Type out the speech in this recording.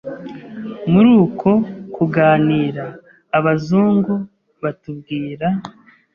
Muri uko kuganira abazungu batubwira